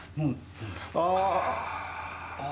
ああ！